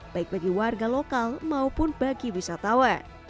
baik bagi warga lokal maupun bagi wisatawan